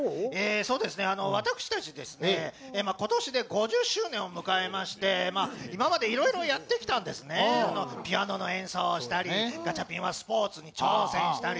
私たちですね、今年で５０周年を迎えまして今までいろいろやってきたんですね、ピアノの演奏をしたりガチャピンはスポーツに挑戦したり。